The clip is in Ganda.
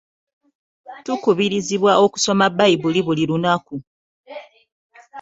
Tukubirizibwa okusoma Bbayibuli buli lunaku.